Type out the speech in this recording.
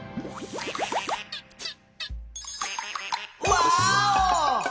ワーオ！